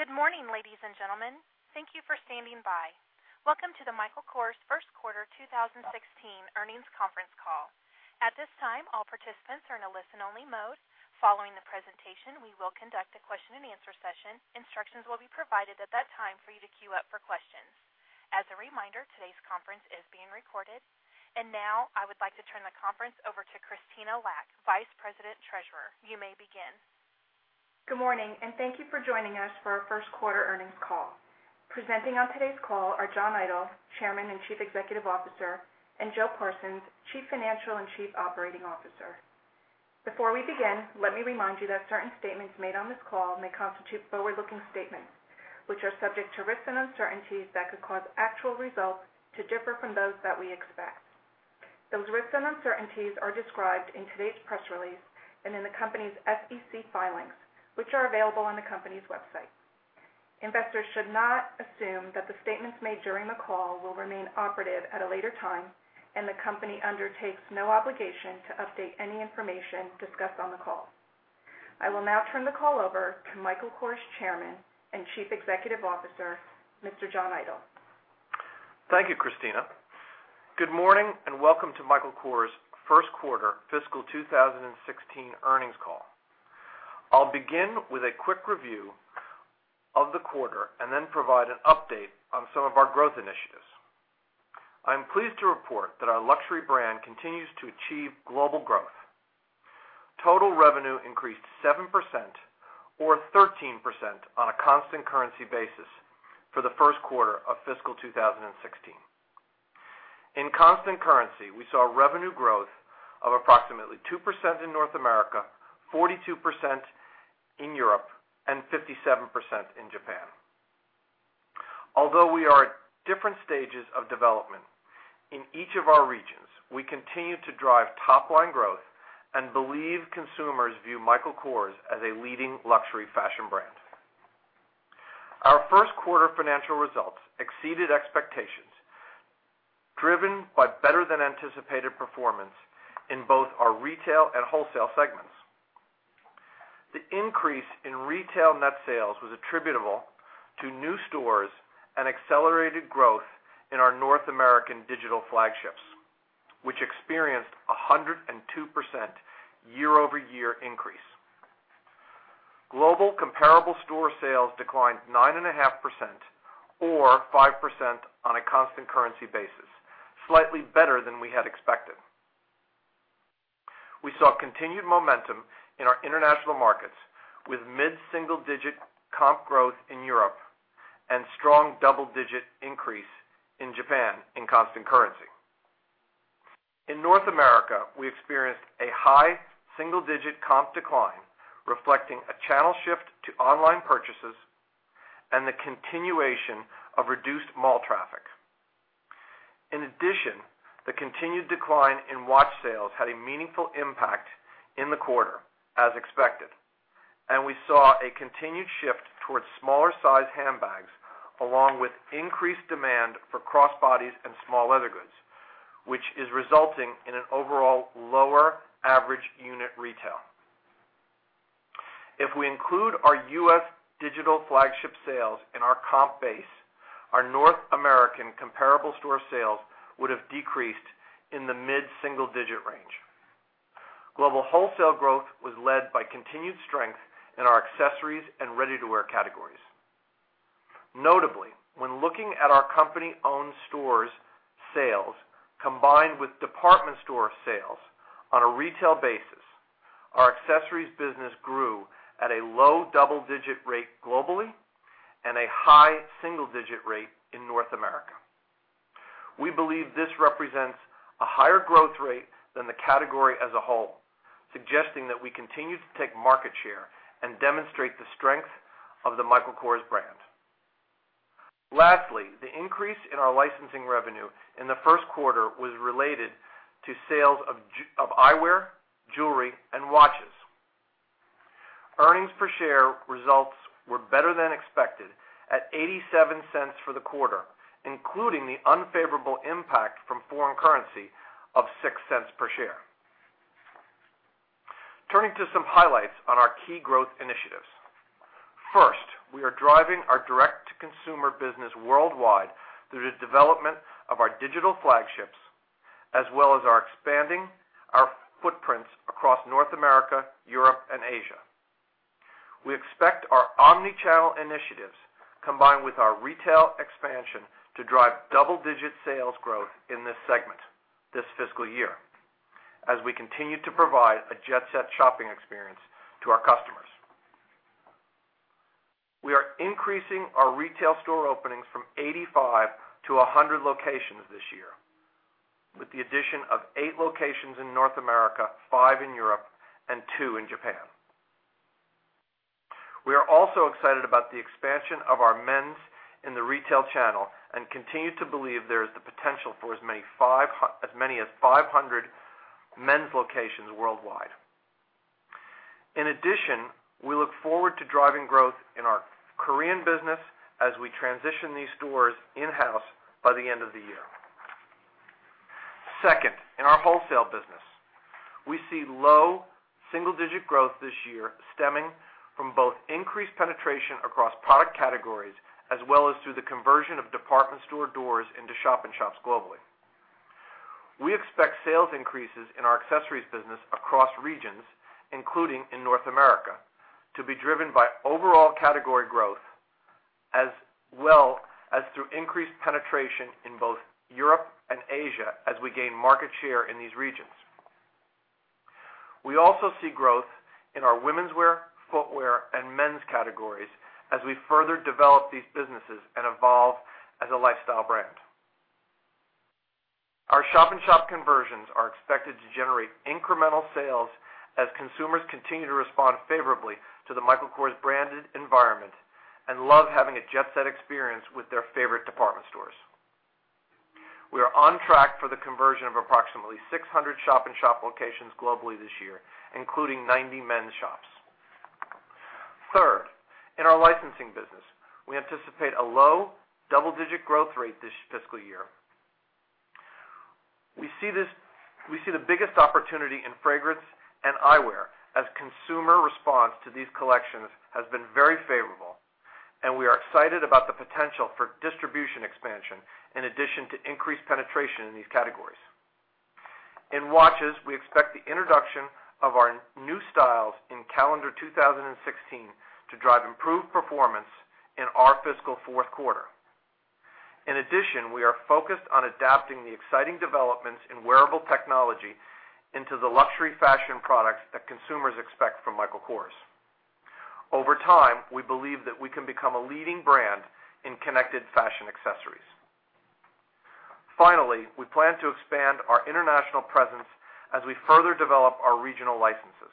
Good morning, ladies and gentlemen. Thank you for standing by. Welcome to the Michael Kors first quarter 2016 earnings conference call. At this time, all participants are in a listen-only mode. Following the presentation, we will conduct a question and answer session. Instructions will be provided at that time for you to queue up for questions. As a reminder, today's conference is being recorded. I would like to turn the conference over to Jennifer Davis, Vice President Treasurer. You may begin. Good morning, and thank you for joining us for our first quarter earnings call. Presenting on today's call are John Idol, Chairman and Chief Executive Officer, and Joe Parsons, Chief Financial and Chief Operating Officer. Before we begin, let me remind you that certain statements made on this call may constitute forward-looking statements, which are subject to risks and uncertainties that could cause actual results to differ from those that we expect. Those risks and uncertainties are described in today's press release and in the company's SEC filings, which are available on the company's website. Investors should not assume that the statements made during the call will remain operative at a later time, and the company undertakes no obligation to update any information discussed on the call. I will now turn the call over to Michael Kors Chairman and Chief Executive Officer, Mr. John Idol. Thank you, Jennifer. Good morning and welcome to Michael Kors' first quarter fiscal 2016 earnings call. I'll begin with a quick review of the quarter and then provide an update on some of our growth initiatives. I'm pleased to report that our luxury brand continues to achieve global growth. Total revenue increased 7% or 13% on a constant currency basis for the first quarter of fiscal 2016. In constant currency, we saw revenue growth of approximately 2% in North America, 42% in Europe, and 57% in Japan. Although we are at different stages of development in each of our regions, we continue to drive top-line growth and believe consumers view Michael Kors as a leading luxury fashion brand. Our first quarter financial results exceeded expectations, driven by better than anticipated performance in both our retail and wholesale segments. The increase in retail net sales was attributable to new stores and accelerated growth in our North American digital flagships, which experienced 102% year-over-year increase. Global comparable store sales declined 9.5% or 5% on a constant currency basis, slightly better than we had expected. We saw continued momentum in our international markets with mid-single-digit comp growth in Europe and strong double-digit increase in Japan in constant currency. In North America, we experienced a high single-digit comp decline, reflecting a channel shift to online purchases and the continuation of reduced mall traffic. In addition, the continued decline in watch sales had a meaningful impact in the quarter, as expected, and we saw a continued shift towards smaller size handbags along with increased demand for crossbodies and small leather goods, which is resulting in an overall lower average unit retail. If we include our U.S. digital flagship sales in our comp base, our North American comparable store sales would have decreased in the mid-single-digit range. Global wholesale growth was led by continued strength in our accessories and ready-to-wear categories. Notably, when looking at our company-owned stores' sales combined with department store sales on a retail basis, our accessories business grew at a low double-digit rate globally and a high single-digit rate in North America. We believe this represents a higher growth rate than the category as a whole, suggesting that we continue to take market share and demonstrate the strength of the Michael Kors brand. Lastly, the increase in our licensing revenue in the first quarter was related to sales of eyewear, jewelry, and watches. Earnings per share results were better than expected at $0.87 for the quarter, including the unfavorable impact from foreign currency of $0.06 per share. Turning to some highlights on our key growth initiatives. First, we are driving our direct-to-consumer business worldwide through the development of our digital flagships, as well as our expanding our footprints across North America, Europe, and Asia. We expect our omni-channel initiatives, combined with our retail expansion, to drive double-digit sales growth in this segment this fiscal year as we continue to provide a jet-set shopping experience to our customers. We are increasing our retail store openings from 85-100 locations this year, with the addition of eight locations in North America, five in Europe, and two in Japan. We are also excited about the expansion of our men's in the retail channel and continue to believe there is the potential for as many as 500 men's locations worldwide. In addition, we look forward to driving growth in our Korean business as we transition these stores in-house by the end of the year. Second, in our wholesale business, we see low single-digit growth this year stemming from both increased penetration across product categories as well as through the conversion of department store doors into shop-in-shops globally. We expect sales increases in our accessories business across regions, including in North America, to be driven by overall category growth, as well as through increased penetration in both Europe and Asia as we gain market share in these regions. We also see growth in our womenswear, footwear, and men's categories as we further develop these businesses and evolve as a lifestyle brand. Our shop-in-shop conversions are expected to generate incremental sales as consumers continue to respond favorably to the Michael Kors-branded environment and love having a jet-set experience with their favorite department stores. We are on track for the conversion of approximately 600 shop-in-shop locations globally this year, including 90 men's shops. Third, in our licensing business, we anticipate a low double-digit growth rate this fiscal year. We see the biggest opportunity in fragrance and eyewear, as consumer response to these collections has been very favorable, and we are excited about the potential for distribution expansion in addition to increased penetration in these categories. In watches, we expect the introduction of our new styles in calendar 2016 to drive improved performance in our fiscal fourth quarter. In addition, we are focused on adapting the exciting developments in wearable technology into the luxury fashion products that consumers expect from Michael Kors. Over time, we believe that we can become a leading brand in connected fashion accessories. Finally, we plan to expand our international presence as we further develop our regional licenses.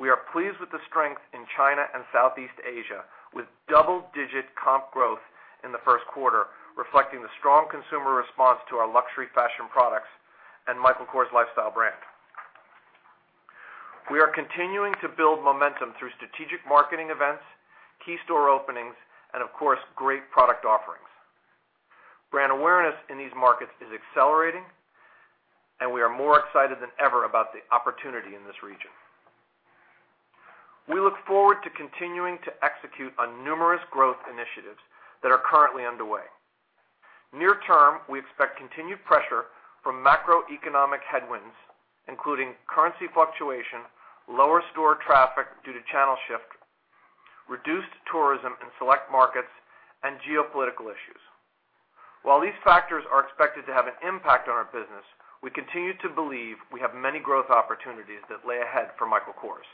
We are pleased with the strength in China and Southeast Asia, with double-digit comp growth in the first quarter, reflecting the strong consumer response to our luxury fashion products and Michael Kors lifestyle brand. We are continuing to build momentum through strategic marketing events, key store openings, and of course, great product offerings. Brand awareness in these markets is accelerating, and we are more excited than ever about the opportunity in this region. We look forward to continuing to execute on numerous growth initiatives that are currently underway. Near-term, we expect continued pressure from macroeconomic headwinds, including currency fluctuation, lower store traffic due to channel shift, reduced tourism in select markets, and geopolitical issues. While these factors are expected to have an impact on our business, we continue to believe we have many growth opportunities that lay ahead for Michael Kors.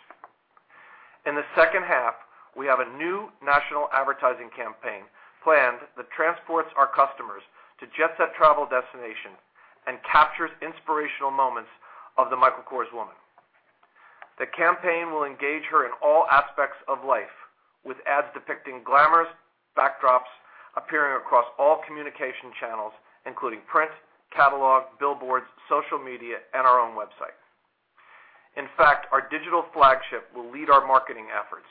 In the second half, we have a new national advertising campaign planned that transports our customers to jet-set travel destinations and captures inspirational moments of the Michael Kors woman. The campaign will engage her in all aspects of life, with ads depicting glamorous backdrops appearing across all communication channels, including print, catalog, billboards, social media, and our own website. In fact, our digital flagship will lead our marketing efforts,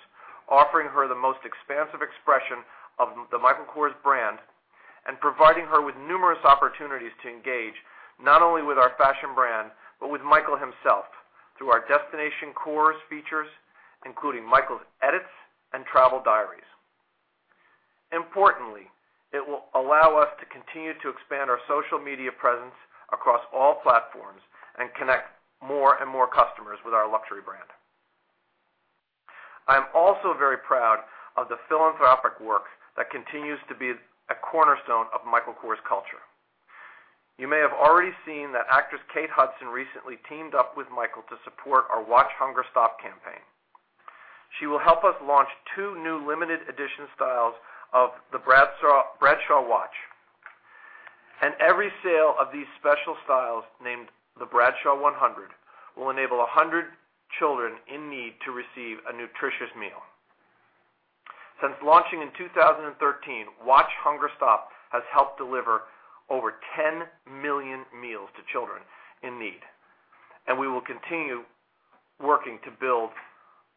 offering her the most expansive expression of the Michael Kors brand and providing her with numerous opportunities to engage not only with our fashion brand but with Michael himself through our Destination Kors features, including Michael's edits and travel diaries. Importantly, it will allow us to continue to expand our social media presence across all platforms and connect more and more customers with our luxury brand. I am also very proud of the philanthropic work that continues to be a cornerstone of Michael Kors culture. You may have already seen that actress Kate Hudson recently teamed up with Michael to support our Watch Hunger Stop campaign. She will help us launch two new limited edition styles of the Bradshaw watch. Every sale of these special styles, named the Bradshaw 100, will enable 100 children in need to receive a nutritious meal. Since launching in 2013, Watch Hunger Stop has helped deliver over 10 million meals to children in need, and we will continue working to build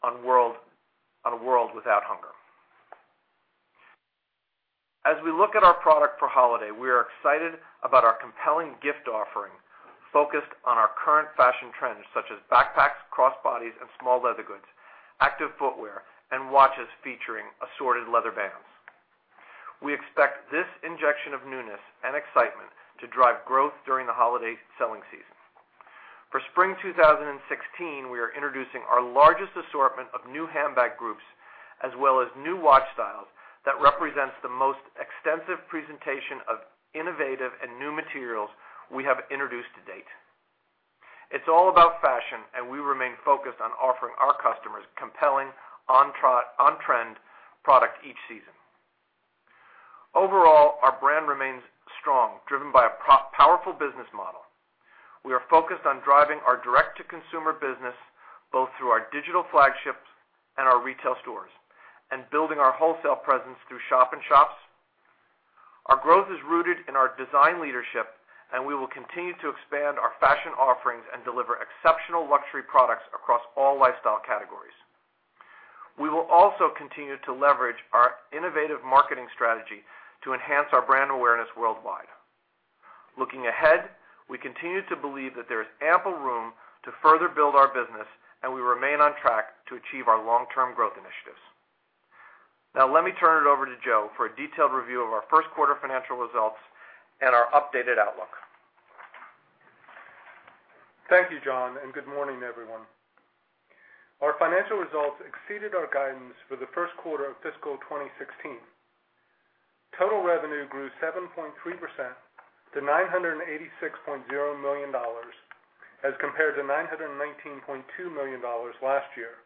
on a world without hunger. As we look at our product for holiday, we are excited about our compelling gift offering focused on our current fashion trends, such as backpacks, crossbodies, and small leather goods, active footwear, and watches featuring assorted leather bands. We expect this injection of newness and excitement to drive growth during the holiday selling season. For spring 2016, we are introducing our largest assortment of new handbag groups as well as new watch styles that represents the most extensive presentation of innovative and new materials we have introduced to date. It's all about fashion, and we remain focused on offering our customers compelling, on-trend product each season. Overall, our brand remains strong, driven by a powerful business model. We are focused on driving our direct-to-consumer business both through our digital flagships and our retail stores, and building our wholesale presence through shop-in-shops. Our growth is rooted in our design leadership. We will continue to expand our fashion offerings and deliver exceptional luxury products across all lifestyle categories. We will also continue to leverage our innovative marketing strategy to enhance our brand awareness worldwide. Looking ahead, we continue to believe that there is ample room to further build our business. We remain on track to achieve our long-term growth initiatives. Now, let me turn it over to Joe for a detailed review of our first quarter financial results and our updated outlook. Thank you, John, and good morning, everyone. Our financial results exceeded our guidance for the first quarter of fiscal 2016. Total revenue grew 7.3% to $986.0 million as compared to $919.2 million last year.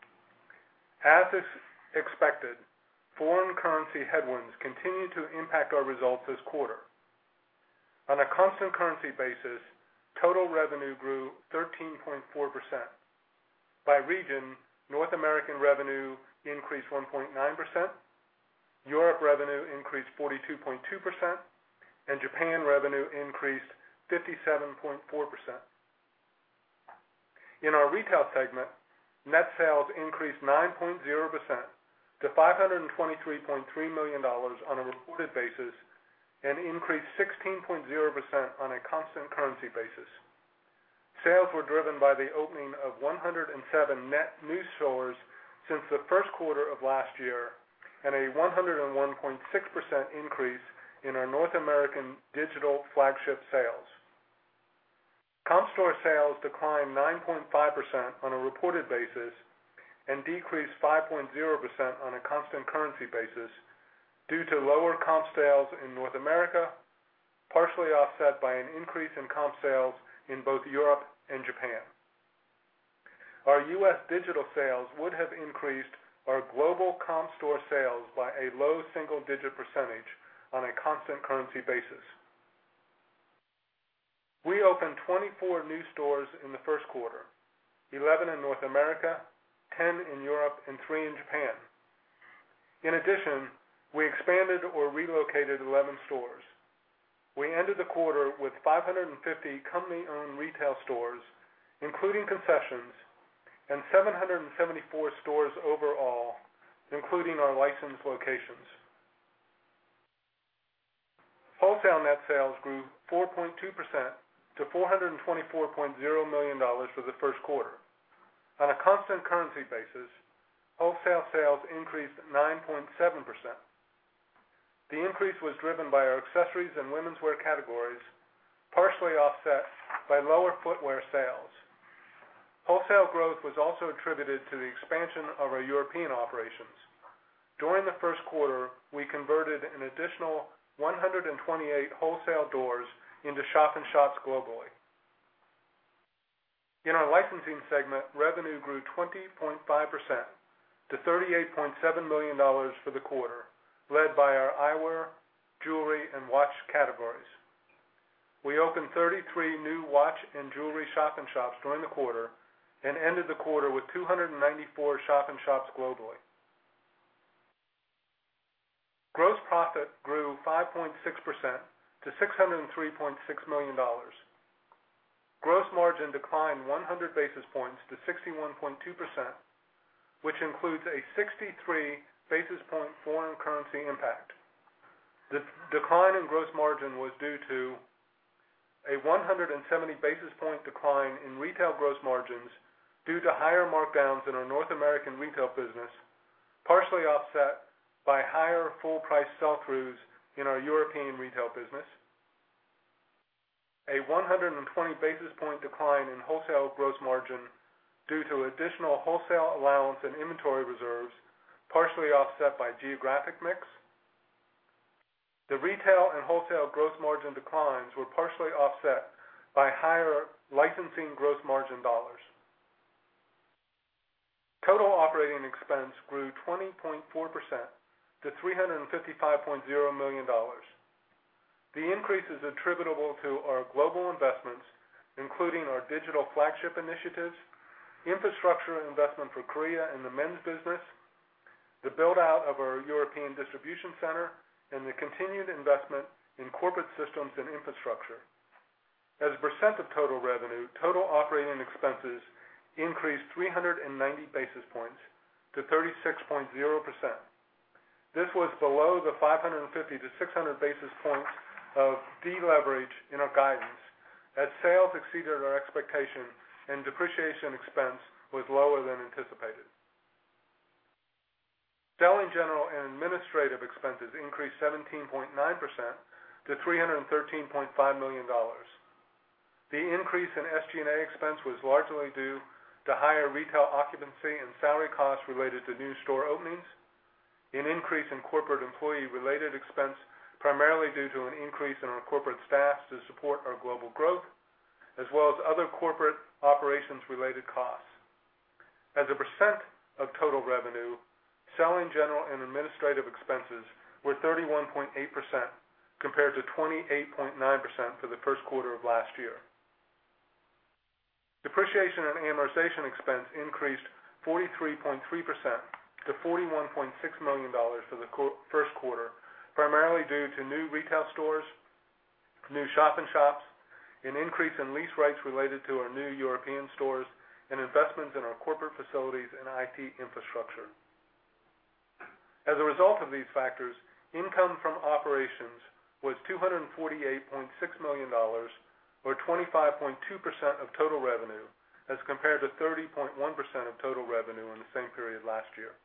As is expected, foreign currency headwinds continued to impact our results this quarter. On a constant currency basis, total revenue grew 13.4%. By region, North American revenue increased 1.9%, Europe revenue increased 42.2%, and Japan revenue increased 57.4%. In our retail segment, net sales increased 9.0% to $523.3 million on a reported basis and increased 16.0% on a constant currency basis. Sales were driven by the opening of 107 net new stores since the first quarter of last year and a 101.6% increase in our North American digital flagship sales. Comp store sales declined 9.5% on a reported basis and decreased 5.0% on a constant currency basis due to lower comp sales in North America, partially offset by an increase in comp sales in both Europe and Japan. Our U.S. digital sales would have increased our global comp store sales by a low single-digit percentage on a constant currency basis. We opened 24 new stores in the first quarter, 11 in North America, 10 in Europe, and three in Japan. In addition, we expanded or relocated 11 stores. We ended the quarter with 550 company-owned retail stores, including concessions, and 774 stores overall, including our licensed locations. Wholesale net sales grew 4.2% to $424.0 million for the first quarter. On a constant currency basis, wholesale sales increased 9.7%. The increase was driven by our accessories and womenswear categories, partially offset by lower footwear sales. Wholesale growth was also attributed to the expansion of our European operations. During the first quarter, we converted an additional 128 wholesale doors into shop-in-shops globally. In our licensing segment, revenue grew 20.5% to $38.7 million for the quarter, led by our eyewear, jewelry, and watch categories. We opened 33 new watch and jewelry shop-in-shops during the quarter and ended the quarter with 294 shop-in-shops globally. Gross profit grew 5.6% to $603.6 million. Gross margin declined 100 basis points to 61.2%, which includes a 63 basis point foreign currency impact. The decline in gross margin was due to a 170 basis point decline in retail gross margins due to higher markdowns in our North American retail business, partially offset by higher full price sell-throughs in our European retail business. A 120 basis point decline in wholesale gross margin due to additional wholesale allowance and inventory reserves, partially offset by geographic mix. The retail and wholesale gross margin declines were partially offset by higher licensing gross margin dollars. Total operating expense grew 20.4% to $355.0 million. The increase is attributable to our global investments, including our digital flagship initiatives, infrastructure investment for Korea and the men's business, the build-out of our European distribution center, and the continued investment in corporate systems and infrastructure. As a percent of total revenue, total operating expenses increased 390 basis points to 36.0%. This was below the 550 to 600 basis points of deleverage in our guidance as sales exceeded our expectation and depreciation expense was lower than anticipated. Selling general and administrative expenses increased 17.9% to $313.5 million. The increase in SG&A expense was largely due to higher retail occupancy and salary costs related to new store openings, an increase in corporate employee-related expense, primarily due to an increase in our corporate staff to support our global growth, as well as other corporate operations-related costs. As a percent of total revenue, selling general and administrative expenses were 31.8% compared to 28.9% for the first quarter of last year. Depreciation and amortization expense increased 43.3% to $41.6 million for the first quarter, primarily due to new retail stores New shop-in-shops, an increase in lease rates related to our new European stores, and investments in our corporate facilities and IT infrastructure. As a result of these factors, income from operations was $248.6 million, or 25.2% of total revenue, as compared to 30.1% of total revenue in the same period last year.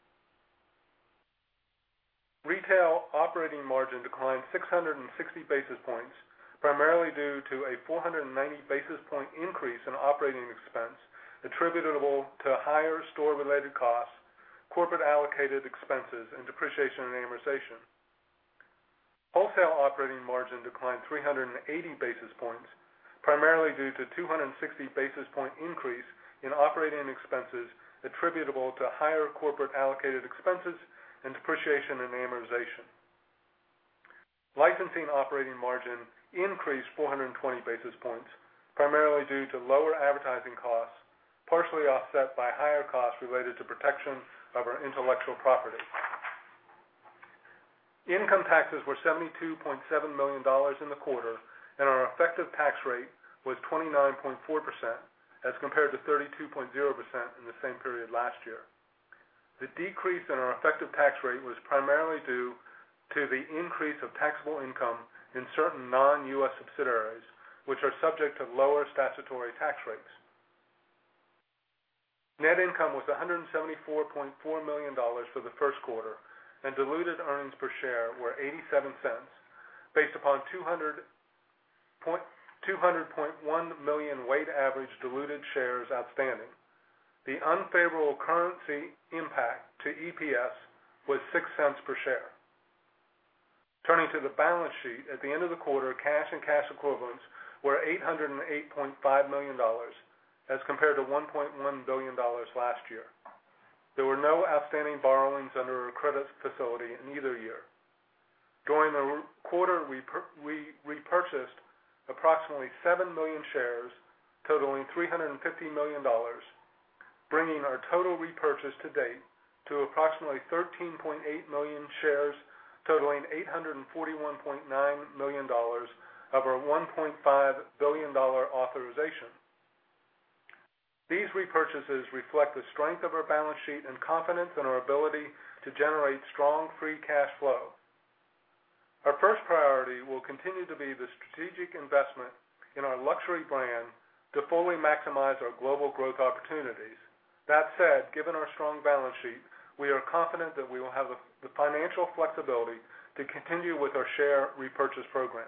Retail operating margin declined 660 basis points, primarily due to a 490 basis point increase in operating expense attributable to higher store-related costs, corporate allocated expenses, and depreciation and amortization. Wholesale operating margin declined 380 basis points, primarily due to 260 basis point increase in operating expenses attributable to higher corporate allocated expenses and depreciation and amortization. Licensing operating margin increased 420 basis points, primarily due to lower advertising costs, partially offset by higher costs related to protection of our intellectual property. Income taxes were $72.7 million in the quarter, and our effective tax rate was 29.4% as compared to 32.0% in the same period last year. The decrease in our effective tax rate was primarily due to the increase of taxable income in certain non-U.S. subsidiaries, which are subject to lower statutory tax rates. Net income was $174.4 million for the first quarter, and diluted earnings per share were $0.87, based upon 200.1 million weighted average diluted shares outstanding. The unfavorable currency impact to EPS was $0.06 per share. Turning to the balance sheet. At the end of the quarter, cash and cash equivalents were $808.5 million as compared to $1.1 billion last year. There were no outstanding borrowings under our credit facility in either year. During the quarter, we repurchased approximately seven million shares totaling $350 million, bringing our total repurchase to date to approximately 13.8 million shares totaling $841.9 million of our $1.5 billion authorization. These repurchases reflect the strength of our balance sheet and confidence in our ability to generate strong free cash flow. Our first priority will continue to be the strategic investment in our luxury brand to fully maximize our global growth opportunities. That said, given our strong balance sheet, we are confident that we will have the financial flexibility to continue with our share repurchase program.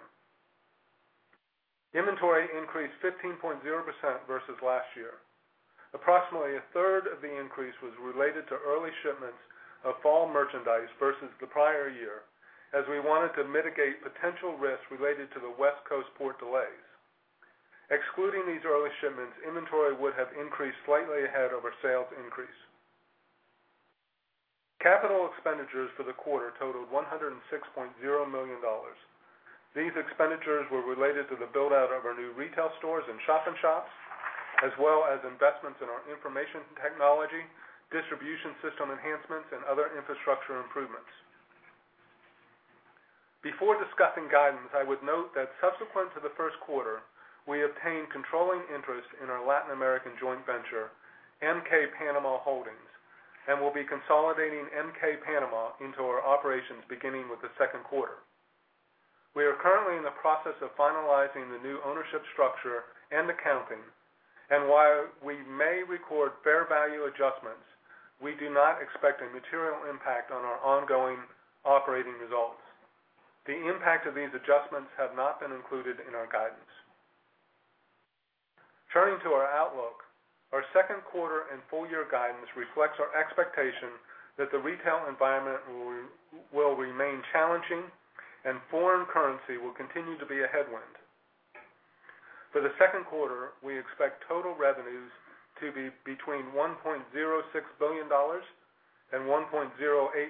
Inventory increased 15.0% versus last year. Approximately a third of the increase was related to early shipments of fall merchandise versus the prior year, as we wanted to mitigate potential risks related to the West Coast port delays. Excluding these early shipments, inventory would have increased slightly ahead over sales increase. Capital expenditures for the quarter totaled $106.0 million. These expenditures were related to the build-out of our new retail stores and shop-in-shops, as well as investments in our information technology, distribution system enhancements, and other infrastructure improvements. Before discussing guidance, I would note that subsequent to the first quarter, we obtained controlling interest in our Latin American joint venture, MK Panama Holdings, and will be consolidating MK Panama into our operations beginning with the second quarter. We are currently in the process of finalizing the new ownership structure and accounting, and while we may record fair value adjustments, we do not expect a material impact on our ongoing operating results. The impact of these adjustments have not been included in our guidance. Turning to our outlook. Our second quarter and full-year guidance reflects our expectation that the retail environment will remain challenging and foreign currency will continue to be a headwind. For the second quarter, we expect total revenues to be between $1.06 billion and $1.08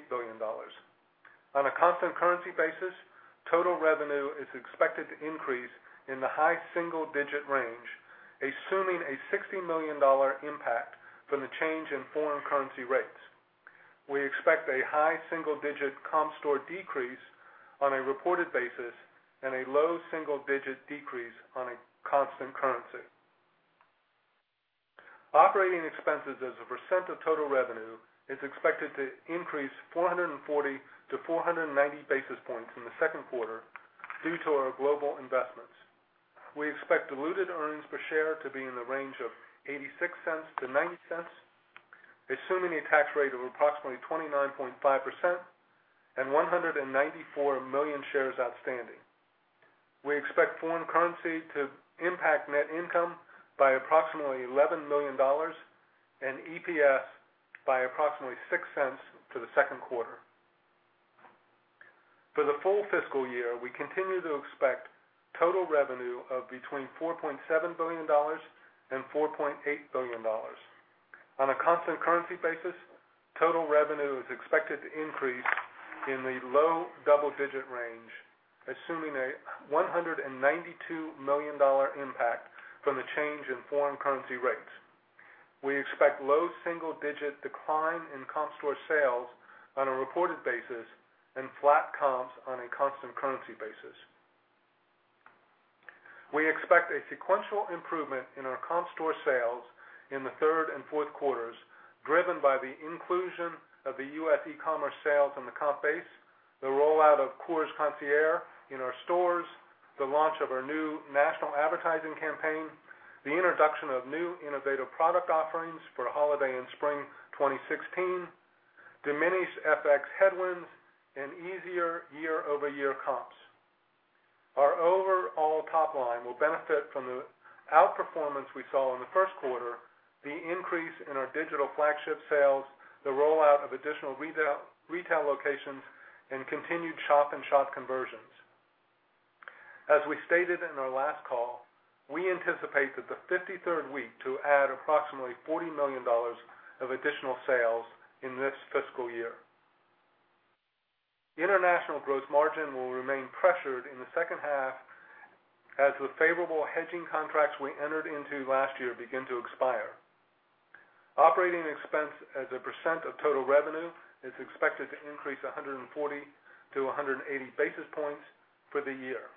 billion. On a constant currency basis, total revenue is expected to increase in the high single-digit range, assuming a $60 million impact from the change in foreign currency rates. We expect a high single-digit comp store decrease on a reported basis and a low single-digit decrease on a constant currency. Operating expenses as a percent of total revenue is expected to increase 440 to 490 basis points in the second quarter due to our global investments. We expect diluted earnings per share to be in the range of $0.86 to $0.90, assuming a tax rate of approximately 29.5% and 194 million shares outstanding. We expect foreign currency to impact net income by approximately $11 million and EPS by approximately $0.06 to the second quarter. For the full fiscal year, we continue to expect total revenue of between $4.7 billion and $4.8 billion. On a constant currency basis, total revenue is expected to increase in the low double-digit range, assuming a $192 million impact from the change in foreign currency rates. We expect low single-digit decline in comp store sales on a reported basis and flat comps on a constant currency basis. We expect a sequential improvement in our comp store sales in the third and fourth quarters, driven by the inclusion of the U.S. e-commerce sales on the comp base, the rollout of Kors Concierge in our stores, the launch of our new national advertising campaign, the introduction of new innovative product offerings for holiday and spring 2016, diminished FX headwinds, and easier year-over-year comps. Our overall top line will benefit from the outperformance we saw in the first quarter, the increase in our digital flagship sales, the rollout of additional retail locations, and continued shop-in-shop conversions. As we stated in our last call, we anticipate that the 53rd week to add approximately $40 million of additional sales in this fiscal year. International gross margin will remain pressured in the second half as the favorable hedging contracts we entered into last year begin to expire. Operating expense as a percent of total revenue is expected to increase 140 to 180 basis points for the year.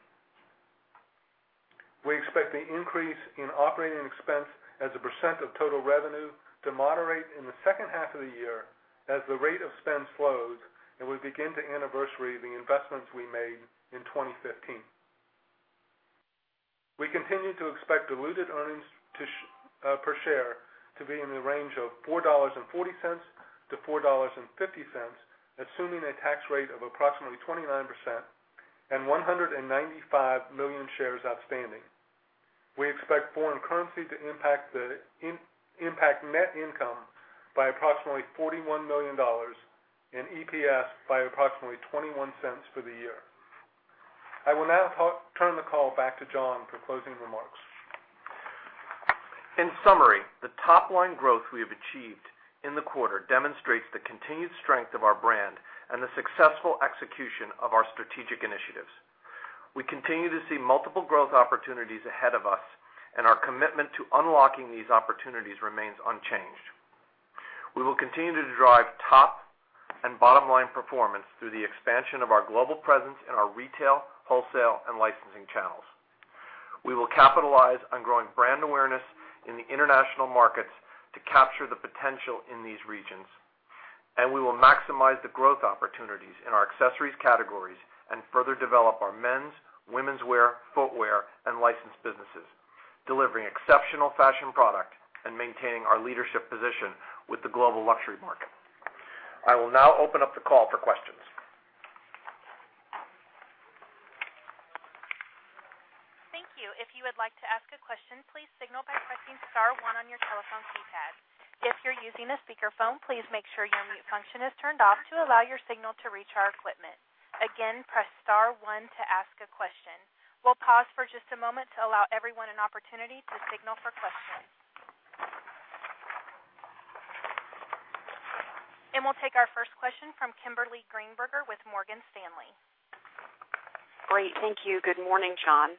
We expect the increase in operating expense as a percent of total revenue to moderate in the second half of the year as the rate of spend slows, and we begin to anniversary the investments we made in 2015. We continue to expect diluted earnings per share to be in the range of $4.40 to $4.50, assuming a tax rate of approximately 29% and 195 million shares outstanding. We expect foreign currency to impact net income by approximately $41 million and EPS by approximately $0.21 for the year. I will now turn the call back to John for closing remarks. In summary, the top-line growth we have achieved in the quarter demonstrates the continued strength of our brand and the successful execution of our strategic initiatives. We continue to see multiple growth opportunities ahead of us, and our commitment to unlocking these opportunities remains unchanged. We will continue to drive top and bottom-line performance through the expansion of our global presence in our retail, wholesale, and licensing channels. We will capitalize on growing brand awareness in the international markets to capture the potential in these regions. We will maximize the growth opportunities in our accessories categories and further develop our men's, women's wear, footwear, and licensed businesses, delivering exceptional fashion product and maintaining our leadership position with the global luxury market. I will now open up the call for questions. Thank you. If you would like to ask a question, please signal by pressing star one on your telephone keypad. If you're using a speakerphone, please make sure your mute function is turned off to allow your signal to reach our equipment. Again, press star one to ask a question. We'll pause for just a moment to allow everyone an opportunity to signal for questions. We'll take our first question from Kimberly Greenberger with Morgan Stanley. Great. Thank you. Good morning, John.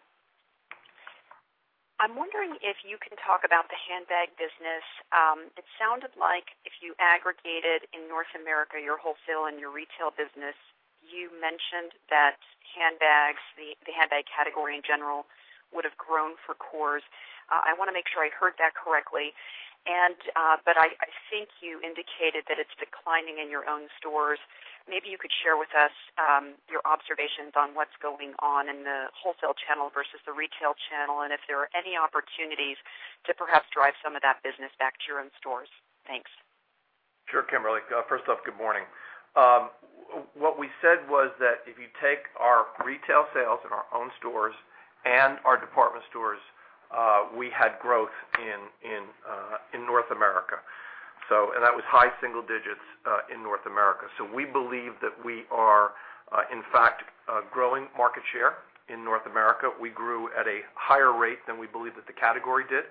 I'm wondering if you can talk about the handbag business. It sounded like if you aggregated in North America, your wholesale and your retail business, you mentioned that the handbag category in general would have grown for Kors. I want to make sure I heard that correctly. I think you indicated that it's declining in your own stores. Maybe you could share with us your observations on what's going on in the wholesale channel versus the retail channel, and if there are any opportunities to perhaps drive some of that business back to your own stores. Thanks. Sure, Kimberly. First off, good morning. What we said was that if you take our retail sales in our own stores and our department stores, we had growth in North America. That was high single digits in North America. We believe that we are, in fact, growing market share in North America. We grew at a higher rate than we believe that the category did.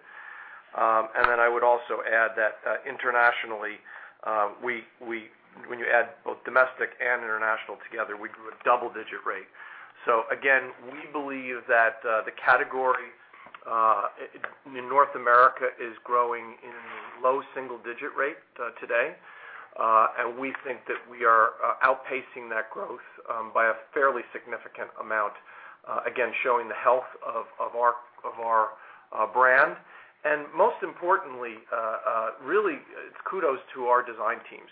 Then I would also add that internationally, when you add both domestic and international together, we grew a double-digit rate. Again, we believe that the category in North America is growing in low single-digit rate today. We think that we are outpacing that growth by a fairly significant amount, again, showing the health of our brand. Most importantly, really, it's kudos to our design teams.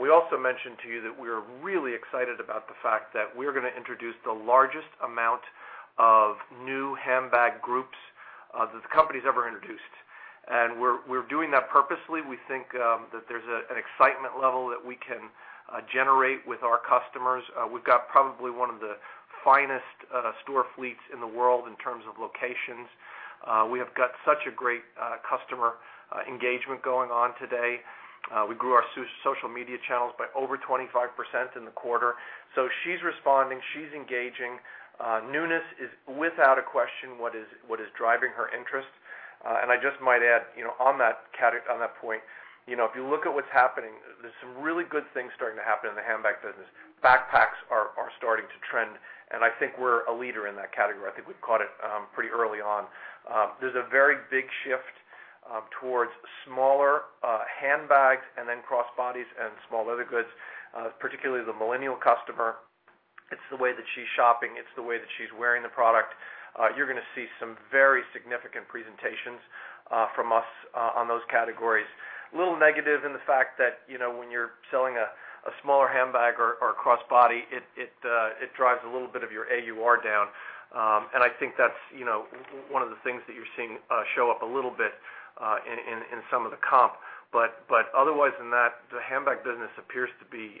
We also mentioned to you that we are really excited about the fact that we're going to introduce the largest amount of new handbag groups that the company's ever introduced, and we're doing that purposely. We think that there's an excitement level that we can generate with our customers. We've got probably one of the finest store fleets in the world in terms of locations. We have got such a great customer engagement going on today. We grew our social media channels by over 25% in the quarter. She's responding. She's engaging. Newness is without a question what is driving her interest. I just might add on that point, if you look at what's happening, there's some really good things starting to happen in the handbag business. Backpacks are starting to trend, and I think we're a leader in that category. I think we've caught it pretty early on. There's a very big shift towards smaller handbags and then crossbodies and small leather goods, particularly the millennial customer. It's the way that she's shopping. It's the way that she's wearing the product. You're going to see some very significant presentations from us on those categories. Little negative in the fact that when you're selling a smaller handbag or a crossbody, it drives a little bit of your AUR down. I think that's one of the things that you're seeing show up a little bit in some of the comp. Otherwise than that, the handbag business appears to be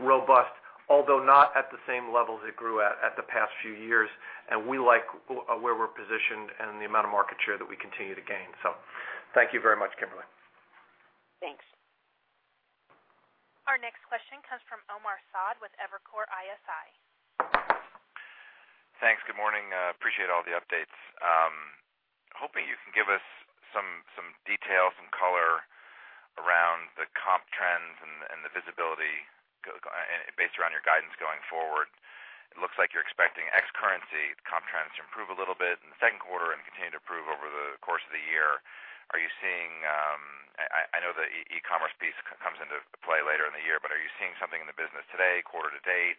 robust, although not at the same level it grew at the past few years. We like where we're positioned and the amount of market share that we continue to gain. Thank you very much, Kimberly. Thanks. Our next question comes from Omar Saad with Evercore ISI. Thanks. Good morning. Appreciate all the updates. Hoping you can give us some detail, some color around the comp trends and the visibility based around your guidance going forward. It looks like you're expecting ex-currency comp trends to improve a little bit in the second quarter and continue to improve over the course of the year. I know the e-commerce piece comes into play later in the year, are you seeing something in the business today, quarter to date?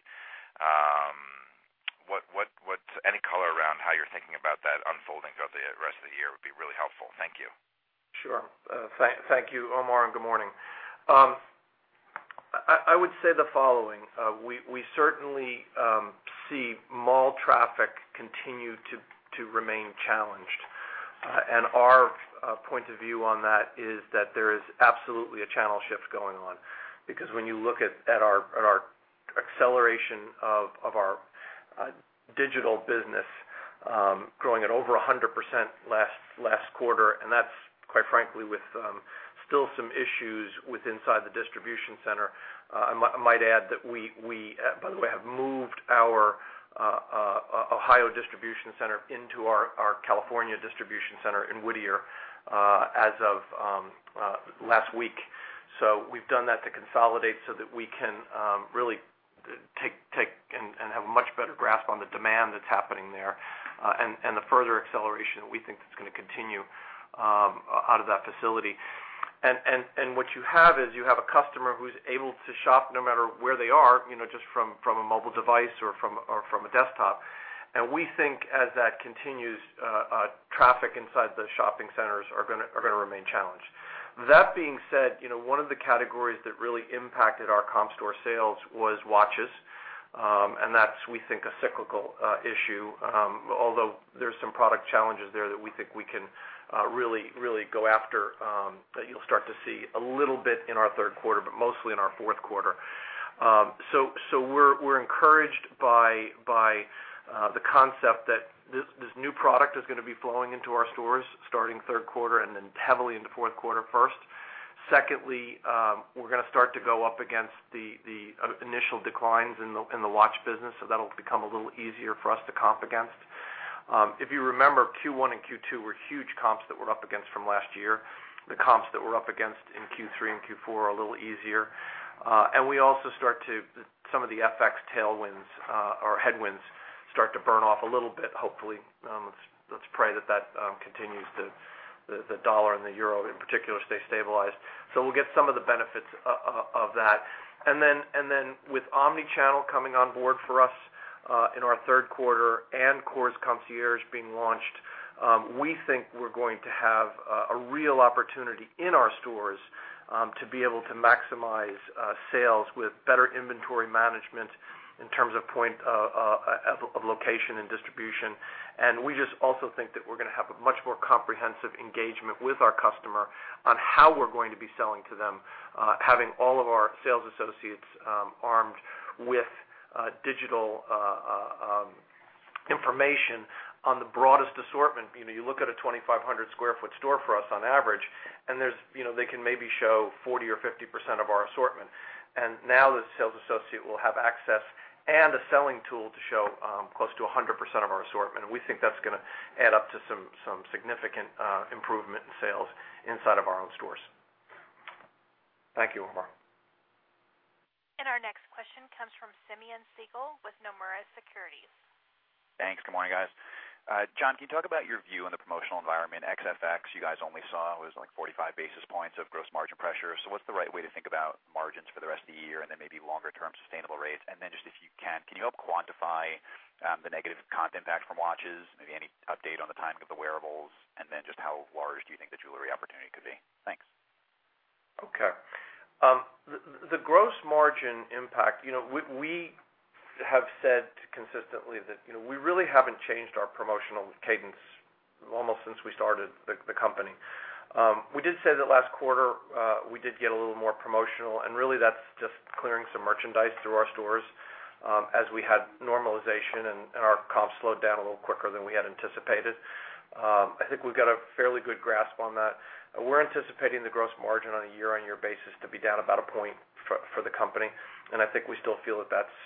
Any color around how you're thinking about that unfolding throughout the rest of the year would be really helpful. Thank you. Sure. Thank you, Omar, and good morning. I would say the following. We certainly see mall traffic continue to remain challenged. Our point of view on that is that there is absolutely a channel shift going on because when you look at our acceleration of our digital business growing at over 100% last quarter, and that's quite frankly with still some issues with inside the distribution center. I might add that we, by the way, have moved our Ohio distribution center into our California distribution center in Whittier as of last week. We've done that to consolidate so that we can really take and have a much better grasp on the demand that's happening there. The further acceleration that we think that's going to continue out of that facility. What you have is you have a customer who's able to shop no matter where they are, just from a mobile device or from a desktop. We think as that continues, traffic inside the shopping centers are going to remain challenged. That being said, one of the categories that really impacted our comp store sales was watches. That's, we think, a cyclical issue. Although there's some product challenges there that we think we can really go after, that you'll start to see a little bit in our third quarter, but mostly in our fourth quarter. We're encouraged by the concept that this new product is going to be flowing into our stores starting third quarter and then heavily into fourth quarter first. Secondly, we're going to start to go up against the initial declines in the watch business. That'll become a little easier for us to comp against. If you remember, Q1 and Q2 were huge comps that we're up against from last year. The comps that we're up against in Q3 and Q4 are a little easier. We also, some of the FX headwinds start to burn off a little bit, hopefully. Let's pray that that continues, the dollar and the euro in particular stay stabilized. We'll get some of the benefits of that. Then with omni-channel coming on board for us in our third quarter and Kors Concierge being launched, we think we're going to have a real opportunity in our stores to be able to maximize sales with better inventory management in terms of point of location and distribution. We just also think that we're going to have a much more comprehensive engagement with our customer on how we're going to be selling to them, having all of our sales associates armed with digital information on the broadest assortment. You look at a 2,500 square foot store for us on average, and they can maybe show 40% or 50% of our assortment. Now the sales associate will have access and a selling tool to show close to 100% of our assortment. We think that's going to add up to some significant improvement in sales inside of our own stores. Thank you, Omar. Our next question comes from Simeon Siegel with Nomura Securities. Thanks. Good morning, guys. John, can you talk about your view on the promotional environment ex-FX? You guys only saw was like 45 basis points of gross margin pressure. What's the right way to think about margins for the rest of the year and then maybe longer term sustainable rates? Then just if you can you help quantify the negative comp impact from watches? Maybe any update on the timing of the wearables, then just how large do you think the jewelry opportunity could be? Thanks. Okay. The gross margin impact. We have said consistently that we really have not changed our promotional cadence almost since we started the company. We did say that last quarter we did get a little more promotional, that is just clearing some merchandise through our stores as we had normalization and our comps slowed down a little quicker than we had anticipated. I think we have got a fairly good grasp on that. We are anticipating the gross margin on a year-over-year basis to be down about 1 point for the company, and I think we still feel that that is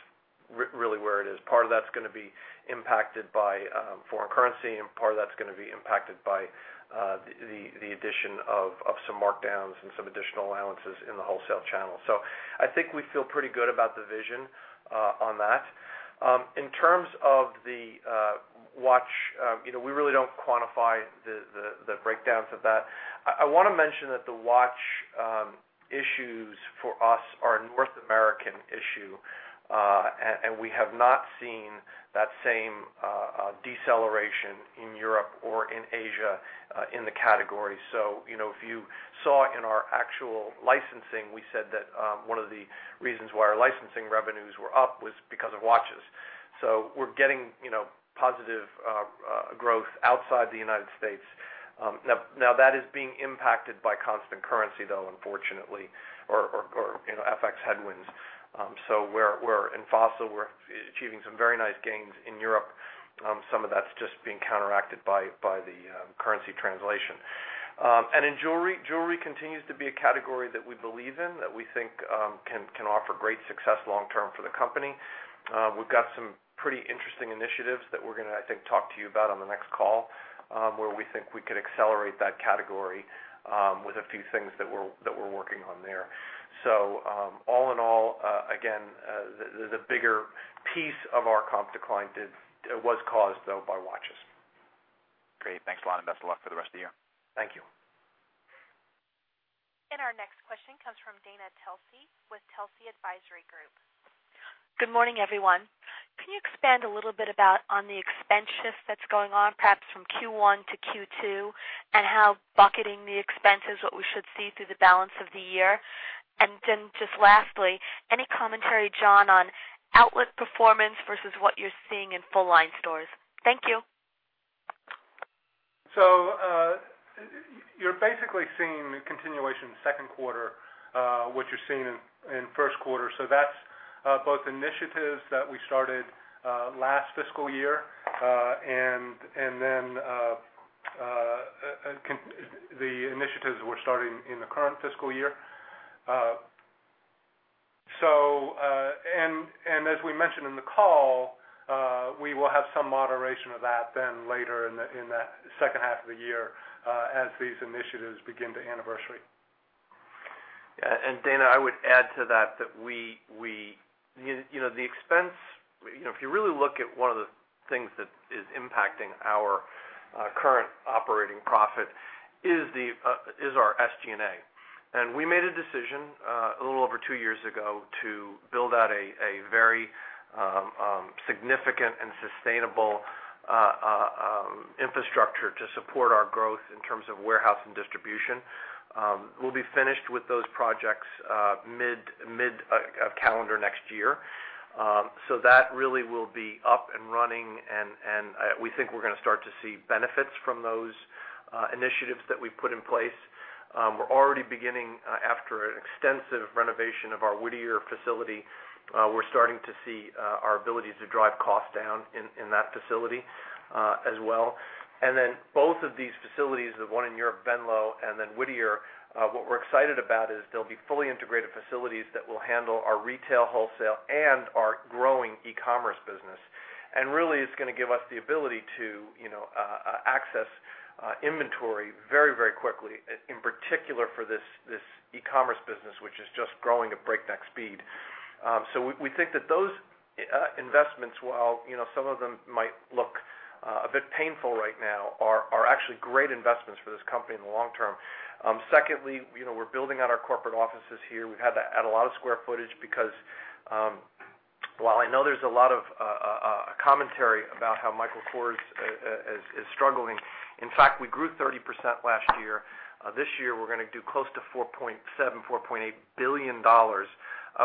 really where it is. Part of that is going to be impacted by foreign currency, and part of that is going to be impacted by the addition of some markdowns and some additional allowances in the wholesale channel. I think we feel pretty good about the vision on that. In terms of the watch, we really do not quantify the breakdowns of that. I want to mention that the watch issues for us are a North American issue, and we have not seen that same deceleration in Europe or in Asia in the category. If you saw in our actual licensing, we said that one of the reasons why our licensing revenues were up was because of watches. We are getting positive growth outside the U.S. Now that is being impacted by constant currency, though, unfortunately, or FX headwinds. In Fossil, we are achieving some very nice gains in Europe. Some of that is just being counteracted by the currency translation. In jewelry continues to be a category that we believe in, that we think can offer great success long term for the company. We have got some pretty interesting initiatives that we are going to, I think, talk to you about on the next call, where we think we could accelerate that category with a few things that we are working on there. All in all, again, the bigger piece of our comp decline was caused, though, by watches. Great. Thanks a lot and best of luck for the rest of the year. Thank you. Our next question comes from Dana Telsey with Telsey Advisory Group. Good morning, everyone. Can you expand a little bit about on the expense shift that's going on, perhaps from Q1 to Q2, and how bucketing the expense is what we should see through the balance of the year? Just lastly, any commentary, John, on outlet performance versus what you're seeing in full line stores? Thank you. You're basically seeing a continuation in second quarter, what you're seeing in first quarter. That's both initiatives that we started last fiscal year, the initiatives we're starting in the current fiscal year. As we mentioned in the call, we will have some moderation of that then later in that second half of the year, as these initiatives begin to anniversary. Dana, I would add to that. If you really look at one of the things that is impacting our current operating profit is our SG&A. We made a decision a little over two years ago to build out a very significant and sustainable infrastructure to support our growth in terms of warehouse and distribution. We'll be finished with those projects mid calendar next year. That really will be up and running, we think we're going to start to see benefits from those initiatives that we've put in place. We're already beginning, after an extensive renovation of our Whittier facility, we're starting to see our ability to drive costs down in that facility as well. Both of these facilities, the one in Europe, Venlo, and then Whittier, what we're excited about is they'll be fully integrated facilities that will handle our retail, wholesale, and our growing e-commerce business. Really, it's going to give us the ability to access inventory very, very quickly, in particular for this e-commerce business, which is just growing at breakneck speed. We think that those investments, while some of them might look a bit painful right now, are actually great investments for this company in the long term. Secondly, we're building out our corporate offices here. We've had to add a lot of square footage because, while I know there's a lot of commentary about how Michael Kors is struggling, in fact, we grew 30% last year. This year, we're going to do close to $4.7, $4.8 billion.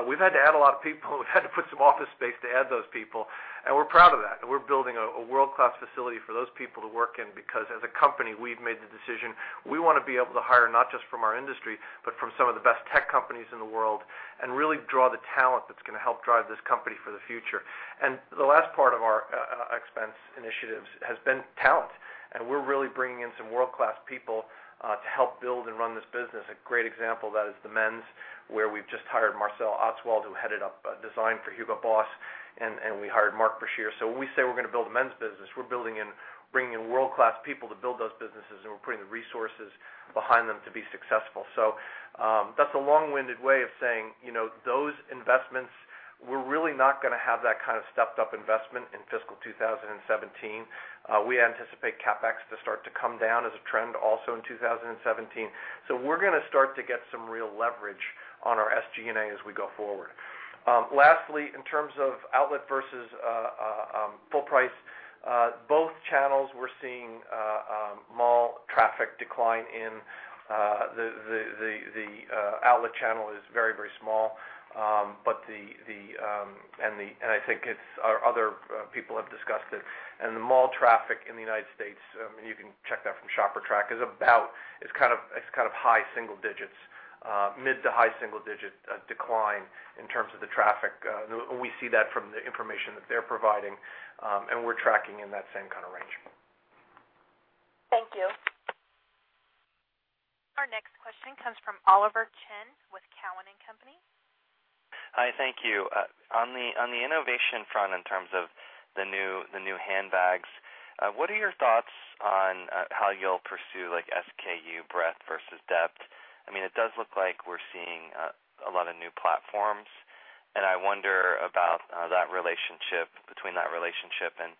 We've had to add a lot of people. We've had to put some office space to add those people, we're proud of that. We're building a world-class facility for those people to work in because as a company, we've made the decision. We want to be able to hire not just from our industry, but from some of the best tech companies in the world and really draw the talent that's going to help drive this company for the future. The last part of our expense initiatives has been talent. We're really bringing in some world-class people to help build and run this business. A great example of that is the men's, where we've just hired Marcel Ostwald, who headed up design for Hugo Boss, and we hired Mark Brashear. When we say we're going to build a men's business, we're bringing in world-class people to build those businesses, and we're putting the resources behind them to be successful. That's a long-winded way of saying, those investments, we're really not going to have that kind of stepped-up investment in fiscal 2017. We anticipate CapEx to start to come down as a trend also in 2017. We're going to start to get some real leverage on our SG&A as we go forward. Lastly, in terms of outlet versus full price, both channels we're seeing mall traffic decline in. The outlet channel is very, very small. I think other people have discussed it, and the mall traffic in the U.S., and you can check that from ShopperTrak, it's kind of high single digits. Mid to high single digit decline in terms of the traffic. We see that from the information that they're providing, and we're tracking in that same kind of range. Thank you. Our next question comes from Oliver Chen with Cowen and Company. Hi, thank you. On the innovation front, in terms of the new handbags, what are your thoughts on how you'll pursue SKU breadth versus depth? It does look like we're seeing a lot of new platforms, and I wonder about between that relationship and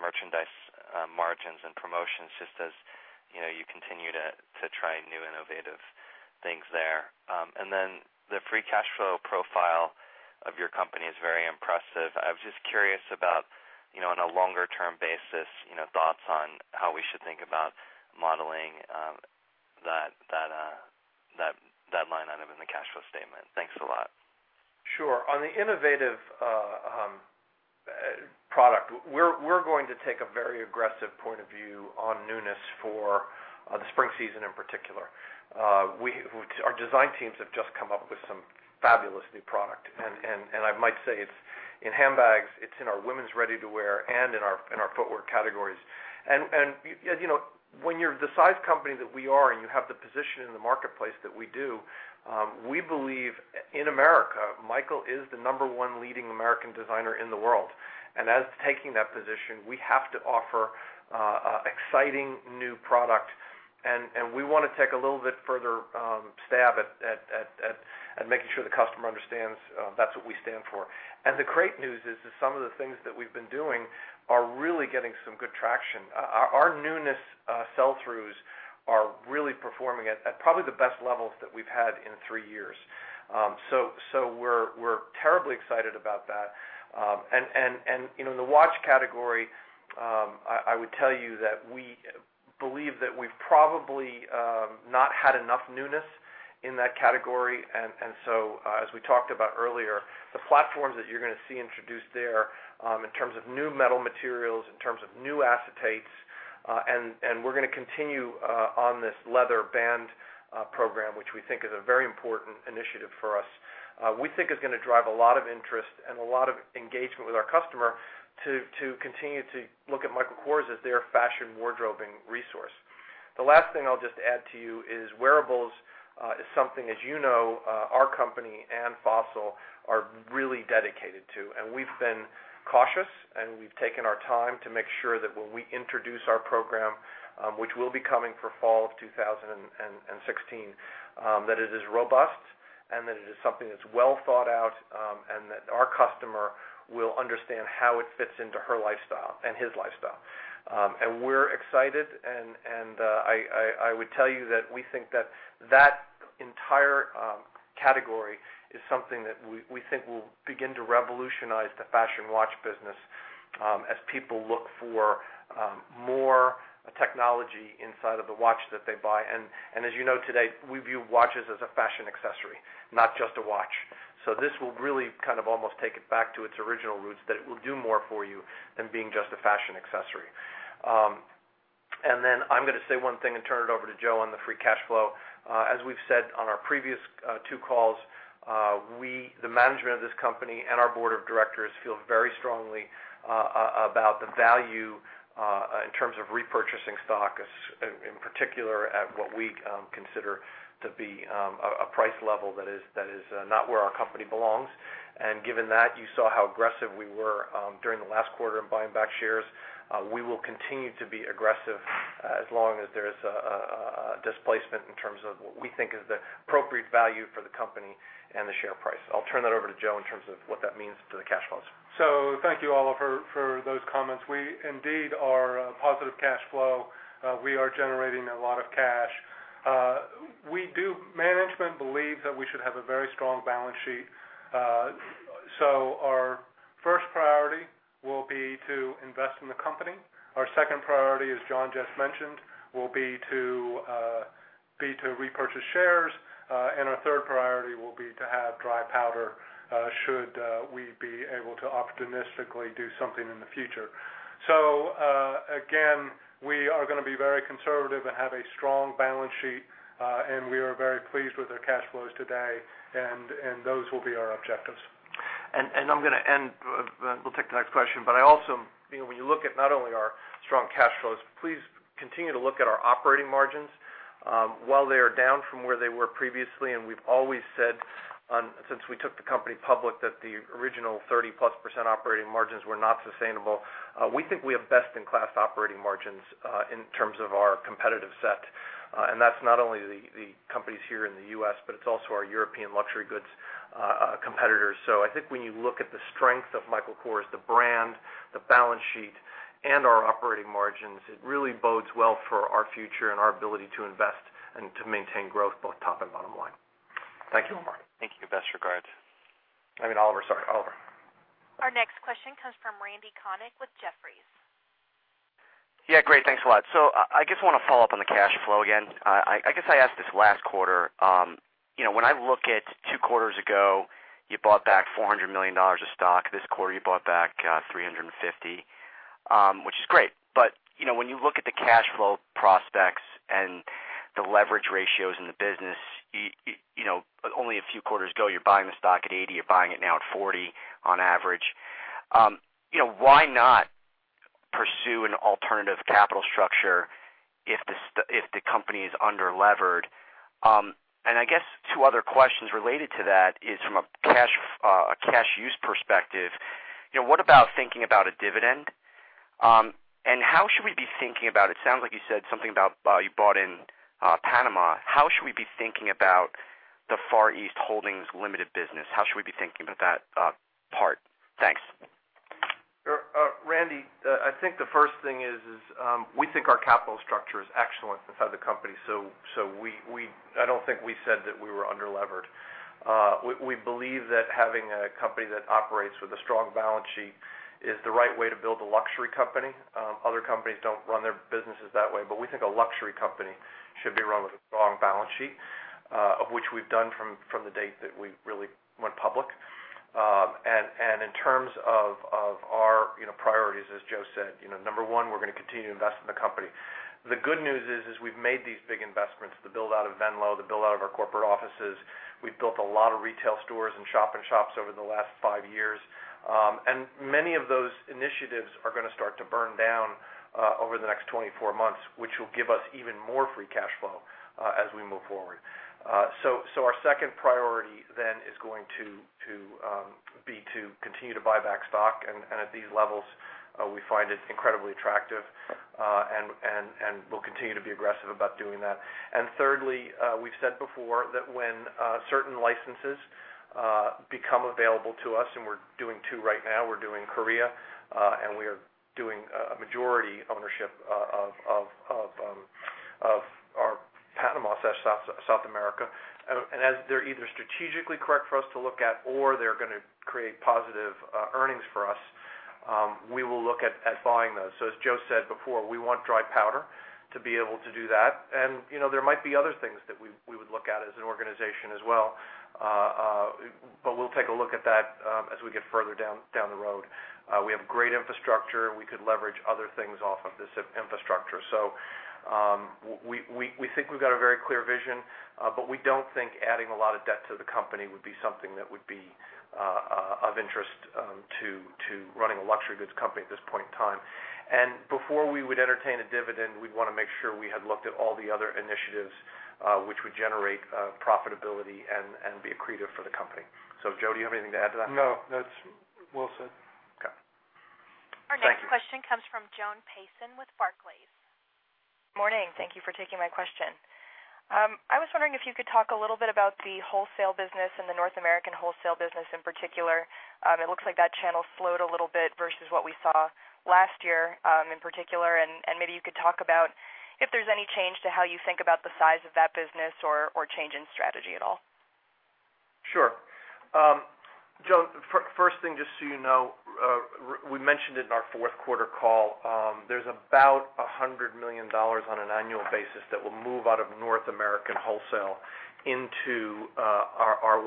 merchandise margins and promotions, just as you continue to try new innovative things there. The free cash flow profile of your company is very impressive. I was just curious about, on a longer-term basis, thoughts on how we should think about modeling that line item in the cash flow statement. Thanks a lot. Sure. On the innovative product, we're going to take a very aggressive point of view on newness for the spring season in particular. Our design teams have just come up with some fabulous new product. I might say it's in handbags, it's in our women's ready-to-wear, and in our footwear categories. When you're the size company that we are and you have the position in the marketplace that we do, we believe in America, Michael is the number one leading American designer in the world. As to taking that position, we have to offer exciting new product, and we want to take a little bit further stab at making sure the customer understands that's what we stand for. The great news is that some of the things that we've been doing are really getting some good traction. Our newness sell-throughs are really performing at probably the best levels that we've had in three years. We're terribly excited about that. In the watch category, I would tell you that we believe that we've probably not had enough newness in that category. As we talked about earlier, the platforms that you're going to see introduced there, in terms of new metal materials, in terms of new acetates, and we're going to continue on this leather band program, which we think is a very important initiative for us. We think is going to drive a lot of interest and a lot of engagement with our customer to continue to look at Michael Kors as their fashion wardrobing resource. The last thing I'll just add to you is wearables is something, as you know, our company and Fossil are really dedicated to, and we've been cautious, and we've taken our time to make sure that when we introduce our program, which will be coming for fall of 2016, that it is robust and that it is something that's well thought out, and that our customer will understand how it fits into her lifestyle and his lifestyle. We're excited, and I would tell you that we think that that entire category is something that we think will begin to revolutionize the fashion watch business as people look for more technology inside of the watch that they buy. As you know today, we view watches as a fashion accessory, not just a watch. This will really almost take it back to its original roots that it will do more for you than being just a fashion accessory. I'm going to say one thing and turn it over to Joe on the free cash flow. As we've said on our previous two calls, we, the management of this company and our board of directors, feel very strongly about the value in terms of repurchasing stock, in particular at what we consider to be a price level that is not where our company belongs. Given that, you saw how aggressive we were during the last quarter in buying back shares. We will continue to be aggressive as long as there is a displacement in terms of what we think is the appropriate value for the company and the share price. I'll turn that over to Joe in terms of what that means to the cash flows. Thank you, Oliver, for those comments. We indeed are a positive cash flow. We are generating a lot of cash. Management believes that we should have a very strong balance sheet. Our first priority will be to invest in the company. Our second priority, as John just mentioned, will be to repurchase shares. Our third priority will be to have dry powder, should we be able to opportunistically do something in the future. Again, we are going to be very conservative and have a strong balance sheet. We are very pleased with our cash flows today, and those will be our objectives. I'm going to end. We'll take the next question. I also, when you look at not only our strong cash flows, please continue to look at our operating margins. While they are down from where they were previously, and we've always said since we took the company public that the original 30-plus% operating margins were not sustainable. We think we have best-in-class operating margins in terms of our competitive set. That's not only the companies here in the U.S., but it's also our European luxury goods competitors. I think when you look at the strength of Michael Kors, the brand, the balance sheet, and our operating margins, it really bodes well for our future and our ability to invest and to maintain growth both top and bottom line. Thank you, Oliver. Thank you. Best regards. I mean Oliver, sorry. Oliver. Our next question comes from Randal Konik with Jefferies. Yeah, great. Thanks a lot. I just want to follow up on the cash flow again. I guess I asked this last quarter. When I look at two quarters ago, you bought back $400 million of stock. This quarter, you bought back $350 million, which is great. When you look at the cash flow prospects and the leverage ratios in the business, only a few quarters ago, you're buying the stock at $80, you're buying it now at $40 on average. Why not pursue an alternative capital structure if the company is under-levered. I guess two other questions related to that is from a cash use perspective, what about thinking about a dividend? How should we be thinking about, it sounds like you said something about you bought in Panama. How should we be thinking about the Far East Holdings Limited business? How should we be thinking about that part? Thanks. Randy, I think the first thing is, we think our capital structure is excellent inside the company, so I don't think we said that we were under-levered. We believe that having a company that operates with a strong balance sheet is the right way to build a luxury company. Other companies don't run their businesses that way, but we think a luxury company should be run with a strong balance sheet, of which we've done from the date that we really went public. In terms of our priorities, as Joe said, number one, we're going to continue to invest in the company. The good news is we've made these big investments, the build-out of Venlo, the build-out of our corporate offices. We've built a lot of retail stores and shop-in-shops over the last five years. Many of those initiatives are going to start to burn down over the next 24 months, which will give us even more free cash flow as we move forward. Our second priority then is going to be to continue to buy back stock, and at these levels, we find it incredibly attractive. We'll continue to be aggressive about doing that. Thirdly, we've said before that when certain licenses become available to us and we're doing two right now. We're doing Korea, and we are doing a majority ownership of our Panama/South America. As they're either strategically correct for us to look at or they're going to create positive earnings for us, we will look at buying those. As Joe said before, we want dry powder to be able to do that. There might be other things that we would look at as an organization as well. We'll take a look at that as we get further down the road. We have great infrastructure. We could leverage other things off of this infrastructure. We think we've got a very clear vision, but we don't think adding a lot of debt to the company would be something that would be of interest to running a luxury goods company at this point in time. Before we would entertain a dividend, we'd want to make sure we had looked at all the other initiatives, which would generate profitability and be accretive for the company. Joe, do you have anything to add to that? No, that's well said. Okay. Thank you. Our next question comes from Joan Payson with Barclays. Morning. Thank you for taking my question. I was wondering if you could talk a little bit about the wholesale business and the North American wholesale business in particular. It looks like that channel slowed a little bit versus what we saw last year in particular. Maybe you could talk about if there's any change to how you think about the size of that business or change in strategy at all. Sure. Joan, first thing, just so you know, we mentioned it in our fourth quarter call. There's about $100 million on an annual basis that will move out of North American wholesale into our